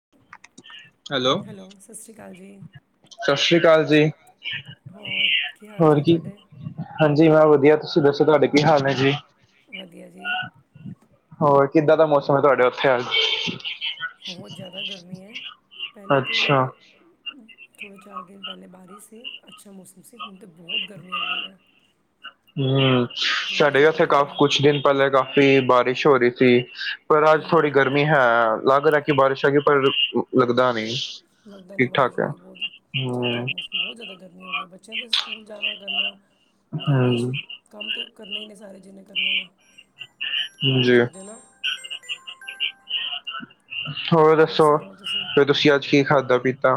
[inaudible] Hello, ਸਸ ਸ਼੍ਰੀ ਕਾਲ ਜੀ। ਸਸ ਸ੍ਰੀ ਕਾਲ ਜੀ, ਹੋਰ ਕੀ ਹਾਲ ਹੋਰ ਚਾਲ ਕੀ। ਤੁਹਾਡੇ ਹਾਂਜੀ, ਹਾਂ ਵਧੀਆ। ਤੁਸੀਂ ਦੱਸੋ ਤੁਆਡੇ ਕੀ ਹਾਲ ਨੇਂ ਜੀ? ਵਧੀਆ ਜੀ। ਹੋਰ, ਕਿੱਦਾਂ ਦਾ ਮੌਸਮ ਐ ਤੁਆਡੇ ਓਥੇ ਅੱਜ। ਬੋਹਤ ਜ਼ਿਆਦਾ ਗਰਮੀ ਐ, ਪੈਲੇ ਤੇ ਅੱਛਾ ਦੋ-ਚਾਰ ਦਿਨ ਪੈਲੇ ਬਾਰਿਸ਼ ਸੀ, ਅੱਛਾ ਮੌਸਮ ਸੀ, ਹੁਣ ਤੇ ਬੋਤ ਗਰਮੀ ਹੋ ਗਈ ਐ। ਹਂ, ਸਾਡੇ ਜ਼ਿਆਦਾ ਇੱਥੇ ਗਰਮੀ ਕਾਫ ਹੈ ਕੁਛ ਦਿਨ ਪੈਲੇ ਕਾਫ਼ੀ ਬਾਰਿਸ਼ ਹੋ ਰੀ ਸੀ, ਪਰ ਅੱਜ ਹੂੰ ਥੋੜੀ ਗਰਮੀ ਹੈ, ਲਗ ਰੱਖੀ ਬਾਰਿਸ਼ ਹੈਗੀ ਤਾਂ ਰੁਕੂ ਲੱਗਦਾ ਨੀਂ, ਪਰ ਲੱਗਦਾ ਠੀਕ-ਠਾਕ ਏ ਆ। ਹਂ। ਬੋਹਤ ਜ਼ਿਆਦਾ ਗਰਮੀ ਹੋਗੀ ਏ ਬੱਚਿਆਂ ਦੇ ਸਕੂਲ ਜਾਣਾ ਕਰਨੇ। ਗਰਮੀ ਚ। ਹਮ ਕੰਮ ਤੇ ਉਹ ਕਰਨੇ ਈ ਨੇ ਸਾਰੇ ਜਿਨੇਂ ਕਰਨੇ ਨੇਂ, ਕੰਮ ਦੇ ਜੀ ਓ ਬੋਲੋ [unintelligible] ਹੋਰ ਦੱਸੋ ਫੇਰ ਤੁਸੀਂ ਅੱਜ ਕੀ ਖਾਧਾ-ਪੀਤਾ।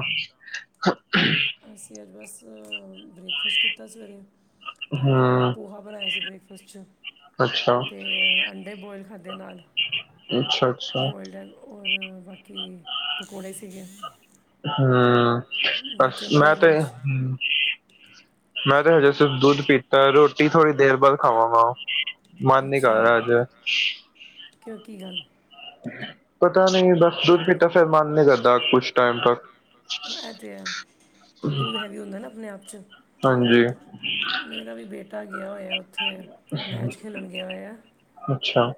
ਅਸੀਂ ਅੱਜ ਬਸ ਬ੍ਰੇਕਫਾਸਟ ਕੀਤਾ ਸਵੇਰੇ ਅ ਹਮ ਪੋਹਾ ਬਣਾਇਆ ਸੀ ਬ੍ਰੇਕਫਾਸਟ ਚ ਅੱਛਾ। ਤੇ ਅੰਡੇ ਬੋਇਲ ਖਾਧੇ ਨਾਲ। ਅੱਛਾ, ਅੱਛਾ। ਬੋਇਲਡ ਐਗ ਔਰ ਬਾਕੀ, ਪਕੌੜੇ ਸੀਗੇ। ਹਂ, ਪਰਸ ਬੱਚਿਆਂ ਨੂੰ ਮੈਂ ਵੀ ਤੋ ਹਂ। ਲੰਚ ਮੈਂ ਤੇ ਹਜੇ ਸਿਰਫ਼ ਦੁੱਧ ਪੀ ਤਾਂ ਰੋਟੀ ਥੋੜ੍ਹੀ ਦੇਰ ਬਾਅਦ ਖਾਵਾਂਗਾ। ਮਨ ਨੀਂ ਕਰ ਅੱਛਾ ਰਿਆ ਅੱਜ। ਕਿਉਂ ਕੀ ਗੱਲ ਪਤਾ ਨਹੀਂ ਬਸ ਦੁੱਧ ਪੀਤਾਂ ਫੇਰ ਮਨ ਨੀਂ ਕਰਦਾ ਕੁਛ ਟੈਮ ਤ ਐ ਤੇ ਹੈਂ, ਦੁੱਧ ਹੈਵੀ ਹੁੰਦਾ ਨਾ ਆਪਣੇ ਆਪ 'ਚ ਹਾਂਜੀ। ਮੇਰਾ ਵੀ ਬੇਟਾ ਗਿਆ ਹੋਇਆ ਉੱਥੇ, ਮੈਚ ਖੇਲਣ ਗਿਆ ਹੋਇਆ। ਅੱਛਾ।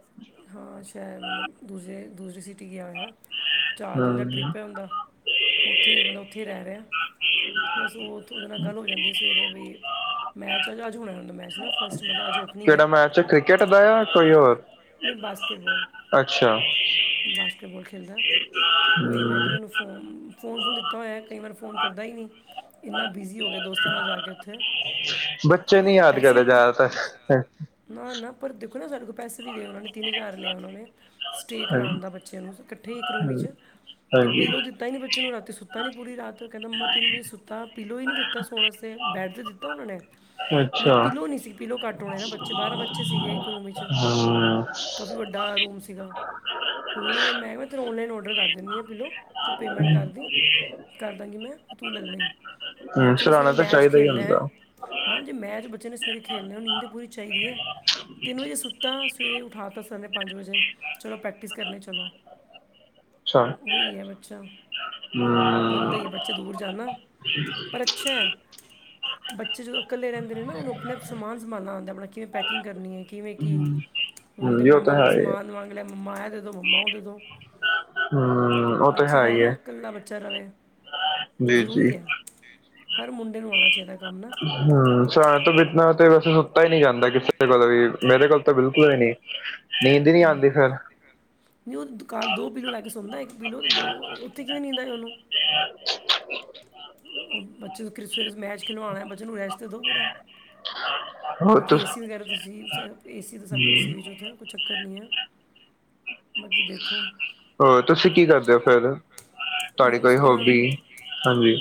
ਹਾਂ ਸ਼ੈਦ ਮਤਲਬ, ਦੂਸਰੇ- ਦੂਸਰੇ ਸੀਟੀ ਟੀ ਹੋਇਆ, ਚਾਰ ਦਿਨ ਦਾ ਹਮ ਟਰਿੱਪ ਹੈ ਓਦਾਂ, ਉੱਥੇ ਮਤਲਬ ਉੱਥੇ ਈ ਰਹਿ ਰਿਆ। ਬਸ ਉਥ ਉਹਦੇ ਨਾਲ ਗੱਲ ਹੋ ਜਾਂਦੀ ਸਵੇਰੇ ਵੀ ਮੈਚ ਅੱਜ ਹੋਣਾ ਦਾ ਮੈਚ ਨਾ ਫਸਟ ਮਤਲਬ ਅੱਜ ਓਹ ਕਿਹੜਾ ਮੈਚ ਕ੍ਰਿਕਟ ਦਾ ਜਾਂ ਕੋਈ ਹੋਰ ਨਈ ਬਾਸਕਿਟਬਾਲ- ਅੱਛਾ ਬਾਸਕਿਟਬਾਲ ਖੇਲਦਾ ਤੇ ਉਹੀ ਮੈਂ ਹਮ, ਕਿਹਾ ਮੈਨੂੰ ਫੋ ਫੋਨ-ਫੋਨ ਫੂਨ ਦਿੱਤਾ ਹੋਇਆ ਕਈ ਵਾਰ ਫੋਨ ਕਰਦਾ ਹੀ ਨਈ, ਇੰਨਾਂ ਬਿਜ਼ੀ ਹੋ ਗਿਆ ਦੋਸਤਾਂ ਨਾਲ ਜਾ ਕੇ ਉੱਥੇ ਬੱਚੇ ਨੀ ਤੇ ਯਾਦ ਪੈਸੇ ਕਰਦੇ ਪੁਰ ਜ਼ਿਆਦਾਤਰ ਨਾ- ਨਾ ਪਰ ਦੇਖੋ ਨਾ ਸਾਡੇ ਕੋਲ ਪੈਸੇ ਵੀ ਲੇ ਉਹ ਤਿੰਨ ਹਜ਼ਾਰ ਲਿਆ ਉਹਨਾਂ ਨੇ, ਸਟੇਅ ਹਾਂਜੀ, ਕਰਾਣ ਦਾ ਬੱਚਿਆਂ ਨੂੰ ਇਕੱਠੇ ਇੱਕ ਰੂਮ ਹਾਂਜੀ, ਵਿੱਚ ਤੇ ਹਾਂਜੀ ਪਹਿਲੋਂ ਦਿੱ ਤਾਂਹੀ ਨੀ ਬੱਚੇ ਨੂੰ ਰਾਤੀ ਸੁੱਤਾ ਨੀਂ ਪੂਰੀ ਰਾਤ, ਕਹਿੰਦਾ ਮੰਮਾ ਤਿੰਨ ਵਜੇ ਸੁੱਤਾ ਪੀਲੋ ਹੀ ਨੀਂ ਦਿੱਤਾ ਸੋਣ ਆਸਤੇ, ਬੈਡ 'ਤੇ ਦਿੱਤਾ ਉਹਨਾਂ ਨੇ ਮਤਲਬ ਅੱਛਾ ਪੀਲੋ ਨੀ ਸੀ, ਪੀਲੋ ਘੱਟ ਹੋਣੇ ਨਾ ਬੱਚੇ ਬਾਰਾਂ ਬੱਚੇ ਸੀਗੇ ਇੱਕ ਰੂਮ ਵਿੱਚ ਹਾਂ। ਕਾਫ਼ੀ ਵੱਡਾ ਰੂਮ ਸੀਗਾ, ਹੁਣ ਮੈਂ ਕਿਹਾ ਮੈ ਤੈਨੂੰ ਔਨਲਾਈਨ ਔਡਰ ਕਰ ਦਿੰਨੀ ਆ ਪੀਲੋ ਤੂੰ ਪੇਮੈਂਟ ਕਰਦੀ, ਕਰ ਦਾਂਗੀ ਮੈਂ ਤੂੰ ਲੱ ਲਈ। ਹਮ, ਬੱਚੇ ਨੇ ਸਰਾਣਾ ਸਵੇਰੇ ਤਾਂ ਮੈਚ ਚਾਹੀਦਾ ਹੀ ਖੇਲਣਾ ਹੁੰਦਾ ਐ। ਹਾਂ ਜੇ ਮੈਚ ਬੱਚੇ ਨੇ ਸਵੇਰੇ ਖੇਲਣਾ, ਨੀਂਦ ਤਾਂ ਪੂਰੀ ਚਾਹੀਦੀ ਐ, ਤਿੰਨ ਵਜੇ ਸੁੱਤਾ ਸਵੇਰੇ ਉਠਾਤਾ ਸਰ ਨੇ ਪੰਜ ਵਜੇ, ਚਲੋ ਪ੍ਰੈਕਟਿਸ ਕਰਨੀ ਚਲੋ। ਅੱਛਾ ਹਮ ਉਹੀ ਹੈ ਬੱਚਾ, ਲੱਗਦਾ ਹੀ ਏ ਬੱਚੇ ਦੂਰ ਜਾਦਾ ਪਰ ਅੱਛੇ ਬੱਚੇ ਜਦੋਂ ਇਕੱਲੇ ਰਹਿੰਦੇ ਨੇ ਨਾ ਉਹਨੂੰ ਆਪਣੇ ਆਪ ਸਮਾਨ ਸੰਭਾਲਣਾ ਹੁੰਦਾ, ਆਪਣਾ ਪੈਕਿੰਗ ਕਰਨੀ ਹੈ ਕਿਵੇਂ ਕੀ ਹੁਣ ਹਮ, ਤੇ ਜੀ ਉਹ ਤਾਂ ਮੰਮਾ ਕੋਲੋਂ ਹੈ ਹੀ ਹੈ। ਸਮਾਨ ਲਵਾ ਬੋਲੇ ਗਾ ਮੰਮਾ ਐ ਦੇਦੋ ਮੰਮਾ ਓ ਦੇਦੋ, ਹਮ ਉਹ ਤਾਂ ਅੱਛੀ ਹੈ ਗੱਲ ਐ ਹੀ ਨਾ ਹੈ ਇਕੱਲਾ ਬੱਚਾ ਰਵੇ ਜੀ ਜੀ ਜ਼ਰੂਰੀ ਐ, ਹਰ ਮੁੰਡੇ ਨੂੰ ਆਣਾ ਚਾਹੀਦਾ ਕੰਮ ਨਾ ਹੂੰ ਸਿਆਲ ਤੋਂ ਬਿਨਾਂ ਪੀਲੋ ਤੇ ਵੈਸੇ ਸੁੱਤਾ ਈ ਨੀ ਜਾਂਦਾ ਕਿਸੇ ਕੋਲ ਵੀ, ਮੇਰੇ ਕੋਲ ਤਾਂ ਬਿਲਕੁਲ ਹੀ ਨੀ। ਨੀਂਦ ਨੀ ਆਂਦੀ ਫਿਰ ਨਹੀਂ ਉਹ ਦੋ ਘਰ ਪੀਲੋ ਲੈ ਕੇ ਸੌਦਾ ਇੱਕ ਪੀਲੋ ਤੇ ਦੋ ਉੱਥੇ ਕਿਵੇਂ ਨੀਂਦ ਆਵੇ ਉਹਨੂੰ [inaudible] ਉਹ ਬੱਚੇ ਨੂੰ ਕਰਿ ਸਵੇਰੇ ਮੈਚ ਖਿਲਵਾਣਾ, ਬੱਚੇ ਨੂੰ ਰੈਸਟ ਤੇ ਦੋ ਪੂਰਾ। ਹੋਰ ਬਾਕੀ ਤੁਸ ਏਸੀ ਵਗੈਰਾ ਤਾਂ ਸੀ, ਏ ਸੀ ਤਾਂ ਸਭ ਕੁਛ ਸੀ ਉੱਥੇ ਕੋਈ ਚੱਕਰ ਨੀਂ ਏਂ। ਅ ਹੋਰ ਤੁਸੀ ਕੀ ਕਰਦੇ ਓ ਫਿਰ। ਮੈਂ ਤੁਹਾਡੀ ਬਸ ਕੋਈ ਆਪਣਾ ਹੋਬੀ, ਹਾਜੀ।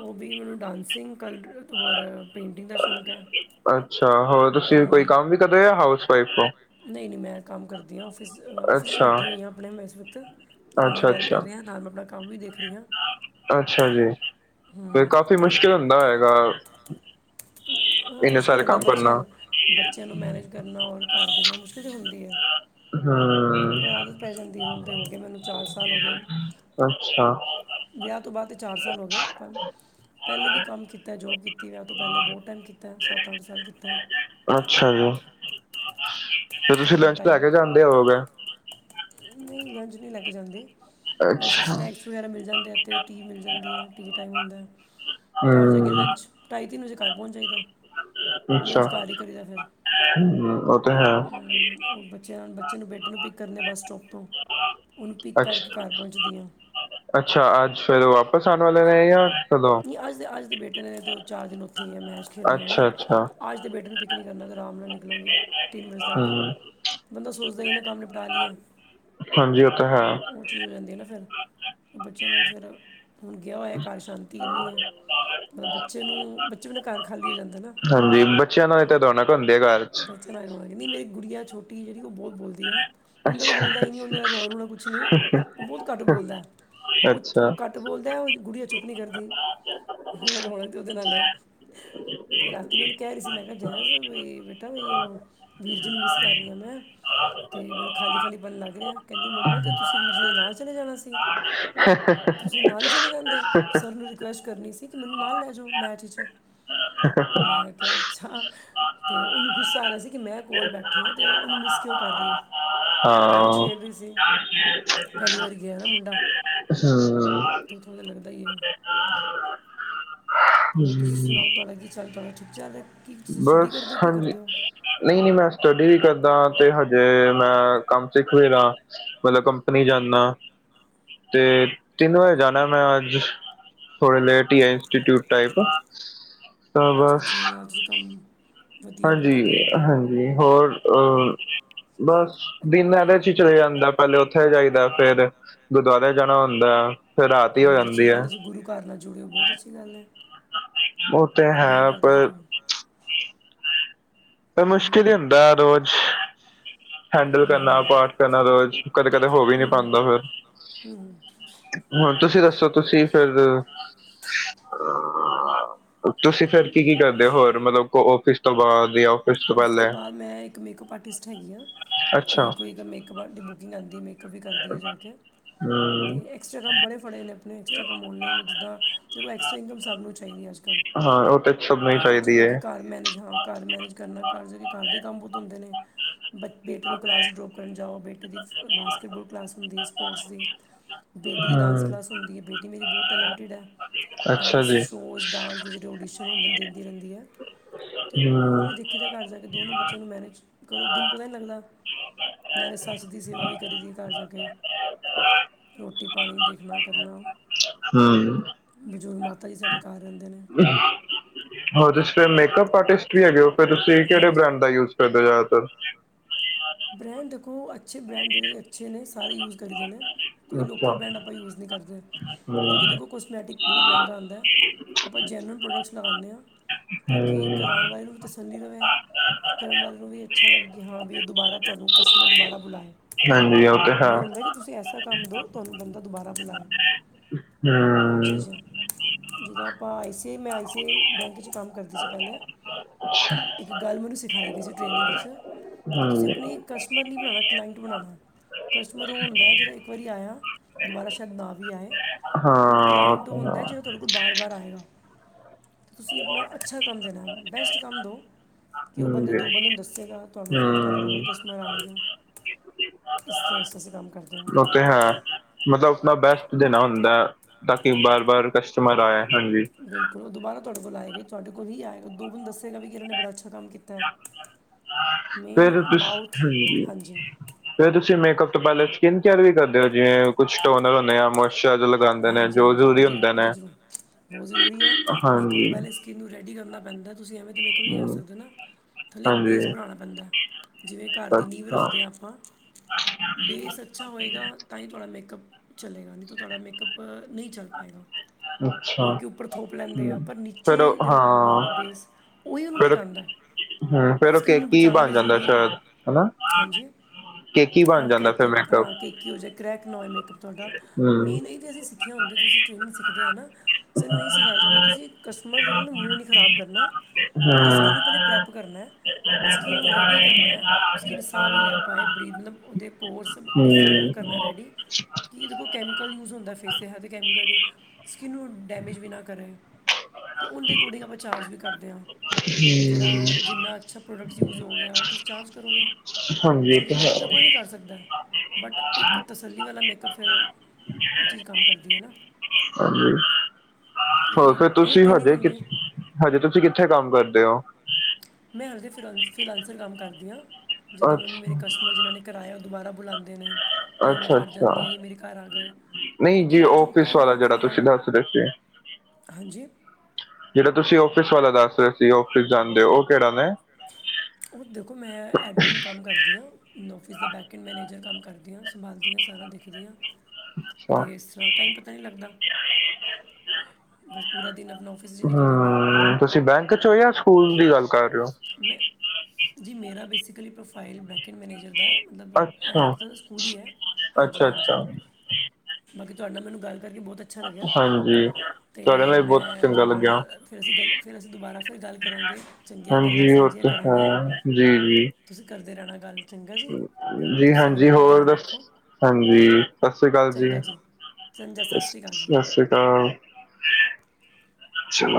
ਹੋਬੀ ਮੈਨੂੰ ਡਾਸਿੰਗ ਕਰ ਹੋਰ ਪੇਟਿੰਗ ਦਾ ਸ਼ੌਕ ਐ, ਅੱਛਾ-ਹੂੰ। ਤਦੇ ਹਊਸ ਵਾਈਫ ਤੋ ਨਹੀ- ਨਹੀ ਮੈ ਕੰਮ ਕਰਦੀ ਆ, ਔਫਿਸ- ਔਫਿਸ ਚ ਅੱਛਾ ਬੈਠੀ ਹੋਈ ਆ ਮੈ ਆਪਣੇ ਏਸ ਵਕਤ ਤੁਹਾਡੇ ਨਾਲ ਅੱਛਾ ਗੱਲ ਕਰ ਅੱਛਾ ਰੀ ਆ, ਨਾਲ ਮੈ ਆਪਣਾ ਕੰਮ ਵੀ ਦੇਖ ਰੀ ਆ। ਅੱਛਾ ਜੀ, ਫਿਰ ਕਾਫੀ ਮੁਸ਼ਕਿਲ ਹੁੰਦਾ ਹੋਏਗਾ। ਹੁੰ ਬੜਾ ਇੰਨੇ ਮੁਸ਼ਕਿਲ ਸਾਰੇ ਹੁੰਦਾ ਕੰਮ ਬੱਚਿਆ ਕਰਨਾ ਨੂੰ ਬੱਚਿਆ ਨੂੰ ਮੈਨੇਜ ਕਰਨਾ ਔਰ ਘਰ ਦੇਖਣਾ ਮੁਸ਼ਕਿਲ ਤੇ ਹੁੰਦੀ ਏ ਹੂੰ ਐਹ ਆਦਤ ਪੈ ਜਾਂਦੀ ਏ, ਹੁਣ ਤੇ ਹੋ ਗਏ ਮੈਨੂੰ ਚਾਰ ਸਾਲ ਹੋ ਗਏ। ਅੱਛਾ ਵਿਆਹ ਤੋਂ ਬਾਅਦ ਤੇ ਚਾਰ ਸਾਲ ਹੋ ਗਏ ਪੰਜ ਪਹਿਲੇ ਵੀ ਕੰਮ ਕੀਤਾ ਜੋਬ ਕੀਤੀ ਵਿਆਹ ਤੋਂ ਪਹਿਲੇ ਬੋਤ ਟਾਈਮ ਕੀਤੈ, ਸੱਤ-ਅੱਠ ਸਾਲ ਕੀਤੈ। ਅੱਛਾ-ਜੀ, ਫਿਰ ਪਰ ਤੁਸੀ ਉਹ ਲੰਚ ਤੇ ਆ ਕੇ ਕਰੰਦੇ ਹੋਗੇ ਨਈ ਲੰਚ ਨੀ ਲੈ ਕੇ ਜਾਂਦੀ ਵੈਸੇ ਅੱਛਾ ਸਨੈਕਸ ਵਗੈਰਾ ਮਿਲ ਜਾਂਦੇ ਐਥੇ ਟੀ ਮਿਲ ਜਾਂਦੀ ਏ, ਟੀ ਟਾਈਮ ਹੁੰਦੈ, ਘਰ ਜਾ ਕੇ ਹੂੰ ਲੰਚ ਢਾਈ-ਤਿੰਨ ਵਜੇ ਘਰ ਪੋਂਚ ਜਾਈਦਾ। ਅੱਛਾ, ਲੰਚ ਘਰ ਹੀ ਕਰੀਦਾ ਫਿਰ ਹੁੰ, ਪਤਾ ਹੈ ਓਹ ਬੱਚਿਆਂ ਬੱਚੇ ਨੂੰ ਬੇਟੇ ਨੂੰ ਪਿੱਕ ਕਰਦੇ ਬੱਸਸਟੋਪ ਤੋਂ ਓਹਨੂੰ ਪਿੱਕ ਅੱਛਾ ਕਰਕੇ ਘਰ ਪੋਂਚਦੀ ਆ। ਓਹ ਵਾਪਿਸ ਆਨ ਵਾਲੇ ਨੇ ਯਾ ਕਦੋਂ? ਅੱਜ ਤੇ ਅੱਜ ਤੇ ਬੇਟੇ ਨੇ ਉਥੇ ਚਾਰ ਦਿਨ ਉਥੇ ਈ ਰਹਿਨੈ ਮੈਚ ਖੇਲਨੈ ਓਹਨੇ ਅੱਛਾ ਅੱਛਾ ਅੱਜ ਤੇ ਬੇਟੇ ਨੂੰ ਪਿੱਕ ਨੀ ਕਰਨਾ ਆਰਾਮ ਨਾਲ ਨਿਕਲਾਂਗੀ ਤਿੰਨ ਵਜੇ ਤੱਕ, ਹਮ ਬੰਦਾ ਸੋਚਦਾ ਈ ਏ ਨਾ ਕੰਮ ਗਾਲੀਏ, ਹਾਂਜੀ ਉਹ ਤਾਂ ਹੈ ਓਹ ਚੀਜ਼ ਹੋ ਜਾਦੀ ਏ ਨਾ। ਫਿਰ ਬੱਚਿਆ ਨਾਲ ਫਿਰ, ਹੁਨ ਗਿਆ ਹੋਇਐ ਘਰ ਸ਼ਾਂਤੀ ਇੰਨੀ ਐ ਬੱਚੇ ਨੂੰ ਬੱਚੇ ਬਿਨਾ ਘਰ ਖਾਲੀ ਹੋ ਜਾਂਦਾ ਨਾ ਹਾਂਜੀ ਬੱਚਿਆਂ ਨਾਲ ਹੀ ਤਾਂ ਰੌਣਕ ਹੁੰਦੀ ਹੈ ਘਰ [unintelligible] ਚ ਨਈ ਮੇਰੀ ਗੁੜੀਆ ਛੋਟੀ ਜੇਹੜੀ ਓਹ ਬੋਤ ਬੋਲਦੀ ਦੀ ਏ ਮੁੰਡਾ ਤੇ ਅੱਛਾ ਬੋਲਦਾ ਈ ਨੀ, ਓਹਨੇ ਤੇ ਰੋਣਾ-ਰੁਣਾ ਕੁਛ ਨੀ, ਓਹ ਬਹੁਤ ਘੱਟ ਬੋਲਦੈ ਅੱਛਾ ਬੋਲਦੈ ਉਂਞ ਗੁੜੀਆ ਚੁੱਪ ਨੀ ਕਰਦੀ, ਰੌਨਕ ਰੋਲਤੇ ਓਹਦੇ ਨਾਲ ਆ ਤੇ ਰਾਤੀ ਮੈ ਓਹਨੂੰ ਕਹਿ ਰਹੀ ਸੀ ਮੈ ਕਿਹਾ ਜੈਜ਼ ਬਈ ਬੇਟਾ ਓਹ ਵੀਰ ਜੀ ਨੂੰ ਮਿਸ ਕਰ ਰਹੀ ਆਂ ਮੈਂ ਤੇ ਮੈਂਨੂੰ ਖਾਲੀ ਖਾਲੀ ਪਨ ਲੱਗ ਰਿਐ ਕਹਿੰਦੀ ਮੰਮਾ ਤੇ ਤੁਸੀਂ ਵੀਰ ਜੀ ਦੇ ਨਾਲ ਚਲੇ ਜਾਨਾ ਸੀ ਤੁਸੀਂ ਨਾਲ ਈ ਚਲੇ ਜਾਂਦੇ। ਓਨੂੰ ਰਿਕਵੈਸਟ ਕਰਨੀ ਸੀ ਕਿ ਮੈਨੂੰ ਨਾਲ ਲੈ ਜਾਓ ਮੈਚ ਇਚ, ਮੈ ਕਿਹਾ ਅੱਛਾ ਤੇ ਓਹਨੂੰ ਗੁੱਸਾ ਆ ਰਿਆ ਸੀ ਕਿ ਮੈ ਕੋਲ ਬੈਠੀ ਆਂ ਤੇ ਓਹਨੂੰ ਮਿਸ ਕਿਓ ਕਰ ਰਹੀ ਏ। ਮੈ ਤੇ ਹਾਂ ਓਹਨੂੰ ਹਮ ਛੇੜ ਰਈ ਸੀ ਪਹਿਲੀ ਵਾਰੀ ਗਿਆ ਨਾ ਮੁੰਡਾ ਹਮ, ਦੂਰ ਥੋੜਾ ਲੱਗਦਾ ਈ ਏ ਹੋਰ ਤੁਸੀ ਸੁਣਾਓ ਤੁਹਾਡਾ ਕੀ ਚਲਦੈ? ਠੀਕ ਚਲ ਰਿਆ? ਕੀ ਤੁਸੀ ਸਟੱਡੀ ਕਰਦੇ ਓ ਕੀ ਕਰਦੇ ਓ? ਨਈ-ਨਈ, ਮੈ ਸਟੱਡੀ ਵੀ ਕਰਦਾ ਤੇ ਹਜੇ ਮੈਂ ਕੰਮ ਸਿੱਖ ਵੀ ਰਿਹਾ ਮਤਲਬ ਕੰਪਨੀ ਜਾਨਾ ਤੇ ਤਿੰਨ ਵਜੇ ਜਾਨਾ ਮੈ ਅੱਜ, ਥੋੜਾ ਲੇਟ ਈ ਏ ਇੰਸਟੀਟਿਊਟ ਟਾਇਪ ਅੱਛਾ-ਅੱਛਾ ਨਾਲ ਤੁਸੀ ਕੰਮ ਵਧੀਆ ਬਹੁਤ ਵਧੀਆ ਹੈ ਤਾਂ ਹਾਂਜੀ-ਹਾਂਜੀ ਹੋਰ ਅਹ ਬਸ ਦਿਨ ਇਹਦੇ ਚ ਈ ਚਲੇ ਜਾਂਦਾ ਪਹਿਲੇ ਓਥੇ ਜਾਈਦਾ ਫੇਰ ਗੁਰਦੁਆਰੇ ਜਾਨਾ ਹੁੰਦਾ ਫਿਰ ਰਾਤ ਈ ਹੋ ਬਹੁਤ ਜਾਂਦੀ ਅੱਛੀ ਐ। ਗੱਲ ਹੈ ਜੇ ਗੁਰੂ ਘਰ ਨਾਲ ਜੁੜੇ ਓ ਬੋਤ ਅੱਛੀ ਗੱਲ ਐ ਓਹ ਤੇ ਹੈ ਪਰ ਪਰ ਮੁਸ਼ਕਿਲ ਹੀ ਹੁੰਦੈ ਰੋਜ਼ ਹੈਂਡਲ ਕਰਨਾ, ਪਾਠ ਕਰਨਾ ਰੋਜ, ਕਦੇ-ਕਦੇ ਹੋ ਵੀ ਨਈ ਪਾਂਦਾ ਫੇਰ। ਹੂੰ। ਹੁਨ ਤੁਸੀਂ ਦੱਸੋ, ਤੁਸੀਂ ਫੇਰ ਅਂ ਤੁਸੀਂ ਫਿਰ ਕੀ-ਕੀ ਕਰਦੇ ਹੋ ਹੋਰ ਮਤਲਬ ਔਫਿਸ ਤੋਂ ਬਾਅਦ ਜਾਂ ਆਫਿਸ ਔਫਿਸ ਤੋਂ ਪਹਿਲੇ ਬਾਦ ਮੈਂ ਇੱਕ ਮੇਕਅਪ ਆਰਟਿਸਟ ਹੈਗੀ ਹਾਂ ਤੇ ਅੱਛਾ ਕੋਈ ਅਗਰ ਮੇਕਅੱਪ ਆਰਟਿਸਟ ਬੁਕਿੰਗ ਆਂਦੀ ਮੇਕ ਮੇਕਅੱਪ ਵੀ ਕਰਦੀ ਜਾਕੇ ਹਮ ਤੇ ਐਕਸਟਰਾ ਕੰਮ ਬੜੇ ਫੜੇ ਨੇ ਆਪਣੇ ਐਕਸਟਰਾ ਕੰਮ ਔਨਲਾਈਨ ਜਿੱਦਾਂ ਐਸਟਰਾ ਇਨਕਮ ਸਭ ਨੂੰ ਚਾਈਦੀ ਏ ਅਜਕਲ ਹਾਂ ਉਹ ਸਭ ਨੂੰ ਹੀ ਤੇ ਓ 'ਚ ਚਾਹੀਦੀ ਬਾਕੀ ਹੈ ਘਰ ਮੈਨੇਜ ਹਾਂ। ਘਰ ਮੈਨੇਜ ਕਰਨਾ ਘਰ ਜਾ ਕੇ ਘਰ ਦੇ ਕੰਮ ਬੋਤ ਹੁੰਦੇ ਨੇ ਬ ਬੇਟੇ ਨੂੰ ਕਲਾਸ ਡਰੋਪ ਕਰਨ ਜਾਉ ਬੇੇ ਦੀ ਬ ਬਾਸਕਿਟਬਾਲ ਕਲਾਸ ਹੁੰਦੀ ਏ ਸਪੋਰਟਸ ਦੀ ਬੇਟੀ ਦੀ ਡਾਂਸ ਹਮ ਕਲਾਸ ਹੁੰਦੀ ਆ ਬੇਟੀ ਮੇਰੀ ਬੋਤ ਟੈਲੈਂਟਿਡ ਆ। ਅੱਛਾ ਡਾਂਸ ਜੀ ਸ਼ੋਜ ਡਾਂਸ ਦੇ ਜੇੜੇ ਓਡੀਸ਼ਨ ਹੁੰਦੇ ਦਿੰਦੀ ਰੈਂਦੀ ਐ ਤੇ ਹਮ ਉਨੂੰ ਵੀ ਦੀ ਦੀ ਦੇ ਘਰ ਜਾ ਕੇ ਦੋਨੋ ਬੱਚਿਆਂ ਨੂੰ ਮੈਨੇਜ ਕਰੋ ਦਿਨ ਪਤਾ ਈ ਲੱਗਦਾ। ਨਾਲੇ ਸੱਸ ਦੀ ਸੇਵਾ ਵੀ ਕਰੀ ਦੀ ਘਰ ਜਾ ਕੇ ਰੋਟੀ ਪਾਣੀ ਦੇਖਣਾ ਕਰਨਾਂ। ਹਮ ਬਜ਼ੁਰਗ ਮਾਤਾ ਜੀ ਸਾਡੇ ਘਰ ਰੈਂਦੇ ਨੇ। ਹੋ ਤੁਸੀਂ ਫੇਰ ਮੇਕਅਪ ਆਰਟਿਸਟ ਵੀ ਹੈਗੇ ਹੋ ਫਿਰ ਤੁਸੀਂ ਕੇੜੇ ਬ੍ਰਾਂਡ ਦਾ ਯੂਜ ਕਰਦੇ ਹੋ ਜਾਦਾਤਰ ਬ੍ਰੈਂਡ ਦੇਖੋ ਅੱਛੇ ਬ੍ਰੈਂਡ ਜੇੜੇ ਅੱਛੇ ਨੇ ਸਾਰੇ ਯੂਜ ਕਰੀ ਦੇ ਨੇ। ਕਿਉਂਕਿ ਲੋਕਲ ਅੱਛਾ ਬ੍ਰੈਂਡ ਆਪਾਂ ਯੂਸ ਨਈ ਕਰਦੇ ਕਿਉਂਕਿ ਹਮ, ਦੇਖੋ ਕੁਛ ਮੈਟਿਕ ਬੋਤ ਮਹਿੰਗਾ ਆਂਦਾ। ਆਪਾਂ ਜਰਨਲ ਪ੍ਰੋਡਕਟਸ ਲਗਾਣੇ ਆਂ ਤਾਂ ਕਿ ਹਮ, ਕਰਾਉਣ ਵਾਲੇ ਨੂੰ ਵੀ ਤਸ ਚੱਲੀ ਰਵੇ ਕਰਨ ਵਾਲੇ ਨੂੰ ਵੀ ਅੱਛਾ ਲੱਗੇ ਕਿ ਹਾਂ ਵੀ ਓ ਦੁਬਾਰਾ ਤੁਹਾਨੂੰ ਵੀ ਕਸਟਮਰ ਦੁਬਾਰਾ ਬੁਲਾਏ। ਹਾਂਜੀ ਉਹ ਤੇ ਹੈ ਏ ਹੁੰਦਾ ਕਿ ਤੁਸੀਂ ਐਸਾ ਕੰਮ ਦੋ ਤੁਹਾਨੂੰ ਬੰਦਾ ਦੁਬਾਰਾ ਬੁਲਾਵੇ [inaudible] ਜਦੋ ਆਪਾ ਆਈ ਸੀ ਆਈ ਮੈਂ ਆਈ ਸੀ ਆਈ ਬੈਂਕ 'ਚ ਕੰਮ ਕਰਦੀ ਸੀ ਪੈਲੇ ਅੱਛਾ, ਇੱਕ ਗੱਲ ਮੈਨੂੰ ਸਿਖਾਈ ਗਈ ਸੀ ਟ੍ਰੇਨਿੰਗ 'ਚ ਕਿ ਤੁਸੀਂ ਹਮ, ਆਪਣੀ ਕਸਟਮਰ ਨਈ ਬਣਾਣਾ ਕਲਾਇੰਟ ਬਣਾਉਣਾ ਕਸਟਮਰ ਓ ਹੁੰਦਾ ਜੇੜਾ ਇੱਕ ਵਾਰੀ ਆਇਆ ਦੁਬਾਰਾ ਸ਼ਾਇਦ ਨਾ ਵੀ ਆਏ। ਹਾਂ ਬਟ ਉਹ ਕਲਾਇੰਟ ਤੇ ਹੈ ਹੁੰਦਾ ਜੋ ਤੁਹਾਡੇ ਕੋਲ ਬਾਰ-ਬਾਰ ਆਏਗਾ ਤੁਸੀਂ ਆਪਣਾ ਅੱਛਾ ਕੰਮ ਦੇਣਾ ਬੈਸਟ ਕੰਮ ਦੋ। ਕਿ ਓ ਹਮ, ਬੰਦੇ ਜੀ, ਦੋ ਬੰਦੇ ਨੂੰ ਦੱਸੇਗਾ ਤੁਹਾਨੂੰ ਫਿਰ ਤਾਨੂੰ ਹਮ, ਰੋਲ ਕਸਟਮਰ ਆਣਗੇ ਇਸ ਤਰ੍ਹਾਂ ਇਰ੍ਹਾਂ ਕੰਮ ਕਰਦੇ ਆਂ। ਵਿਹਾਰ ਮਤਲਬ ਆਪਣਾ ਬੈਸਟ ਦੇਣਾ ਹੁੰਦਾ ਤਾਂ ਕੀ ਬਾਰ-ਬਾਰ ਕਸਟਮਰ ਆਏ ਹਾਂਜੀ‌। ਬਿਲਕੁਲ ਓ ਦੁਬਾਰਾ ਤੁਆਡੇ ਕੋਲ ਆਏਗਾ ਤੁਆਡੇ ਕੋਲ ਵੀ ਆਏਗਾ ਦੋ ਬੰਦੇ ਦੱਸ ਗਾ ਵੀ ਇਨਾਂ ਨੇ ਬੜਾ ਅੱਛਾ ਕੰਮ ਕੀਤਾ ਮੇਨ ਮਾਊਥ ਹਾਂਜੀ। ਫੇਰ ਤੁਸੀਂ ਮੇਕਅਪ ਤੋਂ ਪੈਲੇ ਸਕਿੰਨ ਕੇਅਰ ਵੀ ਕਰਦੇ ਹੋ ਜਿਵੇਂ ਕੁਛ ਟੋਨੇ ਆ ਹੁੰਦੇ ਆ ਮੋ ਸ਼ਾ ਲਗਾਂਦੇ ਨੇ ਹਾਂਜੀ ਜੋ ਹਾਂਜੀ ਉਹ ਜ਼ਰੂਰੀ ਤਾਂ ਹੁੰਦੇ ਉਹ ਨੇ ਤਾਂ ਜ਼ਰੂਰ ਹਾਂਜੀ। ਕਿੰਨ ਨੂੰ ਰੈਡੀ ਕਰਨਾ ਪੈਂਦਾ ਤੁਸੀਂ ਐਵੇਂ ਤਾਂ ਮੇਕਅੱਪ ਨਈ ਕਰ ਹਮ, ਸਕਦੇ ਨਾ। ਥੱਲੇ ਇੱਕ ਹਾਂਜੀ ਬੇਸ ਬਣਾਣਾ ਪੈਂਦਾ ਜਿਵੇਂ ਘਰ ਦੀ ਨੀਂਵ ਅੱਛਾ ਰੱਖਦੇ ਆਂ ਆਪਾਂ ਬੇਸ ਅੱਛਾ ਹੋਏਗਾ। ਤਾਂ ਈ ਤੁਆਡਾ ਮੇਕਅੱਪ ਚੱਲੇਗਾ ਨਈ ਤਾਂ ਤੁਆਡਾ ਮੇਕਅੱਪ ਨਈ ਚੱਲ ਪਾਏਗਾ। ਅੱਛਾ ਲੋਕੀ ਉੱਪਰ ਥੋਪ ਲੈਂਦੇ ਆ ਹੂੰ ਪਰ ਨੀਚੇ ਫੇਰ ਉਹ ਜੇੜਾ ਕੰਮ ਕਰੋਗੇ ਹਾਂ ਬੇਸ ਉਹੀ ਉਨੂੰ ਫੇਰ ਟਿਕਾਂਦਾ। ਹੂੰ ਫੇਰ ਉਹ ਸਕਿੰਨ ਨੂੰ ਕੇਕੀ ਬਚਾਣਾ ਵੀ ਬਣ ਜਾਂਦਾ ਜ਼ਰੂਰੀ ਏ ਸ਼ਾਇਦ ਹਨਾ ਹਾਂਜੀ। ਕੇਕੀ ਹਾਂ ਬਣ ਜਾਂਦਾ ਫਿਰ ਕਰੈਕੀ ਮੇਕਅਪ ਹਾਂ ਕੇਕੀ ਹੋ ਜਾ ਕਰੈਕ ਨਾ ਹੋਏ ਮੇਕਅਪ ਤੁਆਡਾ ਹੂੰ ਮੇਨ ਅਸੀਂ ਸਿੱਖਿਆ ਹੁੰਦਾ ਤੁਸੀਂ ਟ੍ਰੇਨਿੰਗ ਸਿੱਖਦੇ ਆ ਨਾ ਸਾਨੂੰ ਈ ਸਿਖਾਇਆ ਜਾਂਦਾ ਤੁਸੀਂ ਕਸਟਮਰ ਜੇੜਾ ਨਾ ਮੂੰਹ ਨੀ ਨਈ ਖਰਾਬ ਕਰਨਾ। ਉਦੀ ਹੂੰ ਸਕਿੰਨ ਨੂੰ ਪੈਲੇ ਪ੍ਰੈਪ ਕਰਨਾ। ਸਕਿੰਨ ਨੂੰ ਰੈਡੀ ਕਰਨਾ ਸੰਕਿਨ ਸਾਹ ਵੀ ਲੈ ਪਾਏ ਬਰੀਬਲਮ ਉਦੇ ਪੋਰਸ ਹੂੰ ਇਸੇ ਨੂੰ ਹੂੰ ਕਰਨਾ। ਰੈਡੀ [inaudible] ਕਿ ਏਦੇ ਕੋਲ ਕੈਮੀਿਕਲ ਯੂਜ਼ ਹੁੰਦਾ ਫੇਸ ਤੇ ਹੈ ਤੇ ਕੈਮੀਕਲ ਈ। ਸਕਿਨ ਨੂੰ ਡੈਮੇਜ ਵੀ ਨਾ ਕਰੇ ਤੇ ਓਦੇ ਅਕੋਡਿੰਗ ਆਪਾਂ ਚਾਰਜ ਵੀ ਕਰਦੇ ਆਂ। ਜੇੜਾ ਜਿੰਨਾ ਅੱਛਾ ਪ੍ਰੋਡਕਟਸ ਯੂਜ਼ ਹੋ ਗਿਆ ਓ ਤੁਸੀਂ ਚਾਰਜ ਕਰੋਗੇ। ਹਾਂਜੀ ਇਹ ਕਿਉਂਕਿ ਹੈ ਮੇਕਅੱਪ ਤਾਂ ਕੋਈ ਵੀ ਕਰ ਸਕਦੈ ਬਟ ਇੱਕ ਤਸੱਲੀ ਵਾਲਾ ਮੇਕਅਪ ਫਿਰ ਓ ਚੀਜ਼ ਕੰਮ ਕਰਦੀ ਐ ਨਾ। ਹਾਂਜੀ। ਹੋਰ ਫਿਰ ਤੇ ਇਹ ਤੁਸੀਂ ਟ੍ਰੇਨਿੰਗ ਹਜੇ ਕਿ, ਹੁੰਦੀ ਹੈ ਹਜੇ ਤੁਸੀਂ ਕਿੱਥੇ ਕੰਮ ਕਰਦੇ ਓ? ਮੈਂ ਹਰਦੇ ਫਿਲਾ-ਫਿਲਾਂਸਰ ਕੰਮ ਕਰਦੀ ਆ ਜਿੱਦਾਂ ਮੈਨੂੰ ਮੇਰੇ ਅੱਛਾ ਕਸਟਮਰ ਜਿੰਨਾ ਨੇ ਕਰਾਏਆ ਓ ਦੁਬਾਰਾ ਬੁਲਾਂਦੇ ਨੇ। ਯਾਂ ਮੈਂ ਅੱਛਾ ਘਰ ਅੱਛਾ ਜਾਨੀ ਆ ਯੇ ਮੇਰੇ ਘਰ ਆ ਗਏ ਨਹੀਂ ਕਿਉਂਕਿ ਜੀ ਮੈਂ ਜੋਬ ਆਫਿਸ ਕਰ ਰਈ ਵਾਲਾ ਆਂ ਜਿਹੜਾ ਫਿਲਹਾਲ। ਤੁਸੀਂ ਦੱਸ ਰਹੇ ਸੀ ਹਾਂਜੀ? ਜੇੜਾ ਤੁਸੀਂ ਔਫਿਸ ਵਾਲਾ ਦੱਸ ਰਏ ਸੀ ਔਫਿਸ ਜਾਂਦੇ ਓ, ਓ ਕੇੜਾ ਨੇ? ਓ ਦੇਖੋ ਮੈਂ ਐਡਮਿੰਨ ਕੰਮ ਕਰਦੀ ਆ, ਔਫਿਸ ਦਾ ਬੈਕਇਨ ਮੈਨੇਜਰ ਕੰਮ ਕਰਦੀ ਆਂ। ਸੰਭਾਲਦੀਆਂ ਸਾਰਾ ਦੇਖਦੀਆਂ ਅੱਛਾ ਤੇ ਏਸ ਤਰਾਂ ਟਾਈਮ ਪਤਾ ਨੀ ਲੱਗਦਾ, ਬਸ ਪੂਰਾ ਦਿਨ ਆਪਨਾ ਔਫਿ ਹੂੰ, ਤੁਸੀਂ ਬੈਂਕ ਚੋਂ ਯਾਂ ਸਕੂਲ ਦੀ ਗੱਲ ਕਰ ਰਏ ਓ? ਮੈਂ, ਜੀ ਮੇਰਾ ਬੇਸਿਕਲੀ ਪ੍ਰੋਫਾਈਲ ਬੈਂਕ ਇੰਨ ਮੈਨੇਜਰ ਦਾ ਏ ਮਤਲਬ ਏ ਅੱਛਾ ਇੱਕ ਤਰਾਂ ਦਾ ਸਕੂਲ ਈ ਐ, ਅੱਛਾ ਅੱਛਾ ਹਾਂਜੀ-ਹਾਂਜੀ ਬਾਕੀ ਤੁਆਡਾ ਨਾ ਮੈਨੂੰ ਗੱਲ ਕਰਕੇ ਬੋਤ ਅ ਹਾਂਜੀ। ਤੁਹਾਡੇ ਤੇ ਨਾਲ ਵੀ ਬਹੁਤ ਮੈਂ ਚੰਗਾ ਤੁਆਡੇ ਲੱਗਿਆ ਨਾਲ ਫਿਰ ਅਸੀਂ ਗੱਲ ਫਿਰ ਅਸੀਂ ਦੁਬਾਰਾ ਫਿਰ ਗੱਲ ਕਰਾਂਗੇ ਚੰਗੀ ਹਾਂਜੀ ਓ ਤੇ ਹੈ, ਜੀ-ਜੀ। ਤੁਸੀਂ ਕਰਦੇ ਰੈਣਾ ਗੱਲ। ਚੰਗਾ ਜੀ ਜੀ ਤੁਸੀਂ ਹੁਣ ਹਾਂਜੀ ਆਪਣਾ ਧਿਆਨ ਹੋਰ, ਰੱਖੋ ਹਾਂਜੀ, ਸਸ੍ਰੀ ਕਾਲ ਜੀ। ਚੰਗਾ ਸਤਿ ਸਸ ਸ਼੍ਰੀ ਅਕਾਲ ਜੀ ਸਸ੍ਰੀ ਕਾਲ, ਚਲੋ